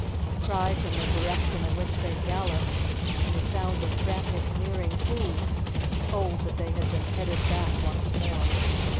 A cry from the direction in which they galloped, and the sound of frantic nearing hoofs, told that they had been headed back once more.